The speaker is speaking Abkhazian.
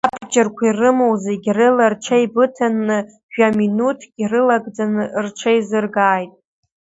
Абџьарқәа ирымоу зегь рыла рҽеибыҭаны, жәаминуҭк ирылагӡаны рҽеизыргааит!